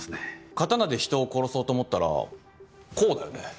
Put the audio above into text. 刀で人を殺そうと思ったらこうだよね？